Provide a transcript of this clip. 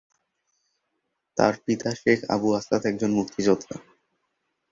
তার পিতা শেখ আবু আসাদ একজন মুক্তিযোদ্ধা।